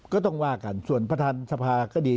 ก็ต้องว่ากันส่วนประธานสภาก็ดี